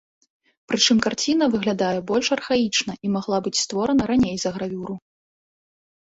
Прычым карціна выглядае больш архаічна і магла быць створана раней за гравюру.